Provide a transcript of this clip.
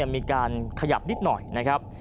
มีการขยับนิดหน่อยนะครับ